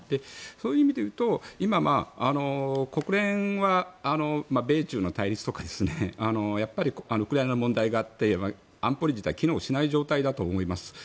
そういう意味でいうと今、国連は米中の対立とかウクライナ問題があって安保理自体機能しない状態だと思います。